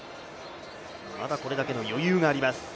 まだこれだけの余裕がありますね。